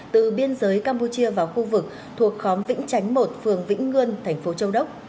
từ biên giới campuchia vào khu vực thuộc khóm vĩnh chánh một phường vĩnh ngươn thành phố châu đốc